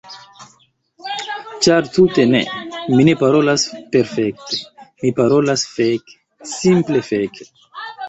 Ĉar tute ne, mi ne parolas perfekte, mi parolas feke! Simple feke!